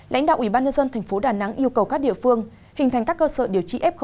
lãnh đạo ủy ban nhân dân tp đà nẵng yêu cầu các địa phương hình thành các cơ sở điều trị f một